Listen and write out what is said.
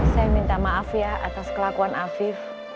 saya minta maaf ya atas kelakuan afif